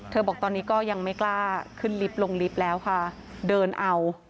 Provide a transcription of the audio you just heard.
บอกตอนนี้ก็ยังไม่กล้าขึ้นลิฟต์ลงลิฟต์แล้วค่ะเดินเอา